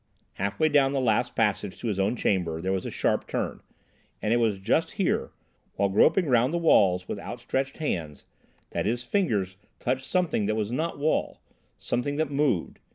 Half way down the last passage to his own chamber there was a sharp turn, and it was just here, while groping round the walls with outstretched hands, that his fingers touched something that was not wall—something that moved.